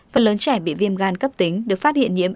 phần lớn trẻ bị viêm gan cấp tính được phát hiện nhiễm